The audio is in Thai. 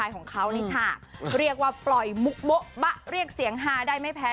ของเขาในฉากเรียกว่าปล่อยมุกโบ๊ะบะเรียกเสียงฮาได้ไม่แพ้